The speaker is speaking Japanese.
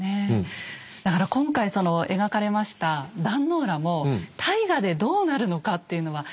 だから今回描かれました壇の浦も大河でどうなるのかっていうのは。